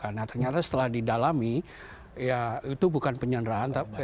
nah ternyata setelah didalami ya itu bukan penyanderaan